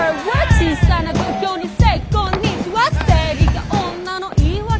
小さな土俵にｓａｙこんにちは生理が女の言い訳？